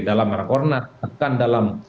dalam rakorna bahkan dalam